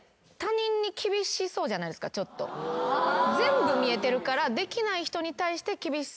全部見えてるから。